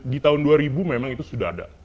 di tahun dua ribu memang itu sudah ada